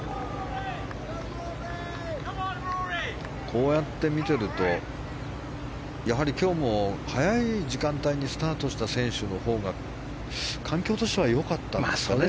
こうやって見ているとやはり今日も、早い時間帯にスタートした選手のほうが環境としては良かったんですかね。